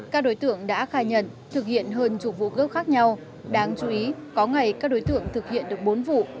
các đối tượng đã khai nhận thực hiện hơn chục vụ cướp khác nhau đáng chú ý có ngày các đối tượng thực hiện được bốn vụ